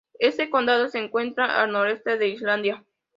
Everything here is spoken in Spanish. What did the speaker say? Este condado se encuentra al noreste de Islandia.